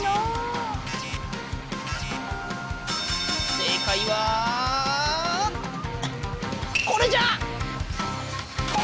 正解はこれじゃ！